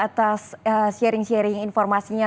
atas sharing sharing informasinya